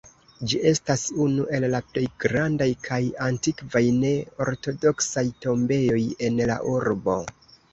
Ĝi estas unu el la plej grandaj kaj antikvaj ne-ortodoksaj tombejoj en la urbo.